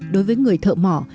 đối với người thợ mỏ